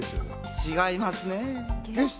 違いますね。